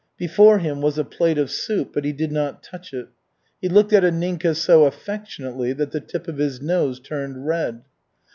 Before him was a plate of soup, but he did not touch it. He looked at Anninka so affectionately that the tip of his nose turned red.